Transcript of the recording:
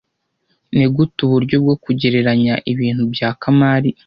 Nigute uburyo bwo kugereranya ibintu bya kamali